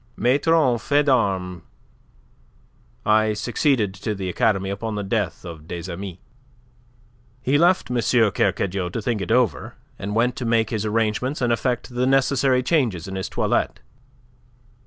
"Maitre en fait d'Armes. I succeeded to the academy upon the death of des Amis." He left M. Kercadiou to think it over, and went to make his arrangements and effect the necessary changes in his toilet.